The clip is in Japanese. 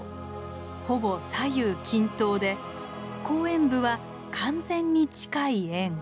ほぼ左右均等で後円部は完全に近い円。